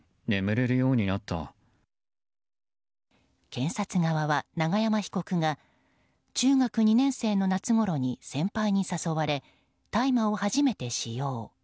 検察側は永山被告が中学２年生の夏ごろに先輩に誘われ、大麻を初めて使用。